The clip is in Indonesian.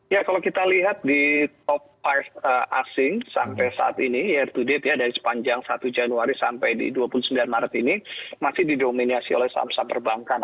ya kalau kita lihat di top lima asing sampai saat ini year to date ya dari sepanjang satu januari sampai di dua puluh sembilan maret ini masih didominasi oleh saham saham perbankan